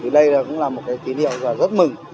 đây cũng là một tín hiệu rất mừng